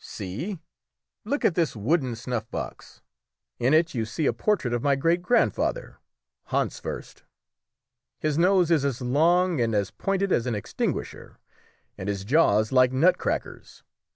"See look at this wooden snuff box; in it you see a portrait of my great grandfather, Hanswurst. His nose is as long and as pointed as an extinguisher, and his jaws like nutcrackers.